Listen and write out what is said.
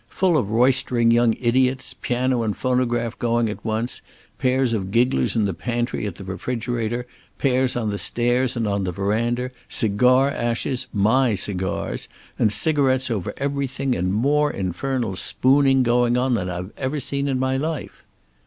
Full of roistering young idiots. Piano and phonograph going at once, pairs of gigglers in the pantry at the refrigerator, pairs on the stairs and on the verandah, cigar ashes my cigars and cigarettes over everything, and more infernal spooning going on than I've ever seen in my life."